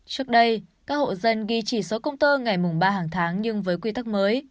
trước đây các hộ dân ghi chỉ số công tơ ngày mùng ba hàng tháng nhưng với quy tắc mới